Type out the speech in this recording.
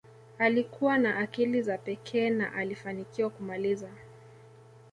alikuwa na akili za pekee na alifanikiwa kumaliza